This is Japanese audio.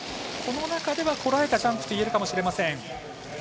この中ではこらえたジャンプといえるかもしれません。